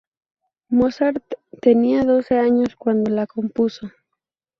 Mozart tenía doce años cuando la compuso.